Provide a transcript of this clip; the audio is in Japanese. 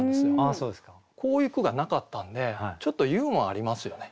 こういう句がなかったんでちょっとユーモアありますよね。